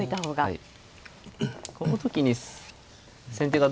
はい。